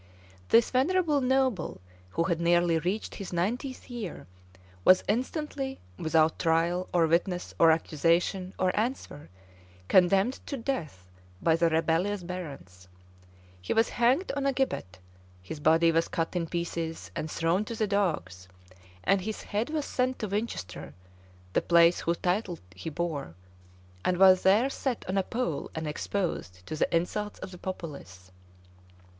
This venerable noble, who had nearly reached his ninetieth year, was instantly without trial, or witness, or accusation, or answer, condemned to death by the rebellious barons: he was hanged on a gibbet; his body was cut in pieces, and thrown to the dogs;[] and his head was sent to Winchester, the place whose title he bore, and was there set on a pole and exposed to the insults of the populace.